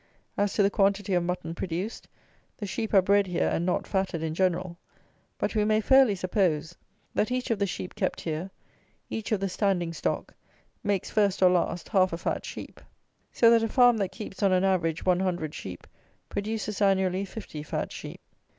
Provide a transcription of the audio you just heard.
As to the quantity of mutton produced; the sheep are bred here, and not fatted in general; but we may fairly suppose, that each of the sheep kept here, each of the standing stock, makes first, or last, half a fat sheep; so that a farm that keeps, on an average, 100 sheep, produces annually 50 fat sheep.